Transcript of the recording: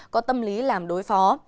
có tâm lý làm đối phó